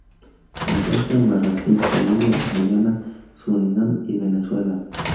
Se encuentra en Brasil, Colombia, Guyana, Surinam y Venezuela.